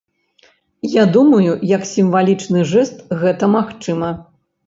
Я думаю, як сімвалічны жэст гэта магчыма.